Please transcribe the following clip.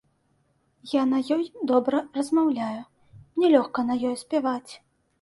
Я на ёй добра размаўляю, мне лёгка на ёй спяваць.